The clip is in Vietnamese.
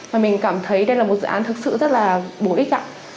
mà mình cảm thấy đây là một dự án thực sự rất là bổ ích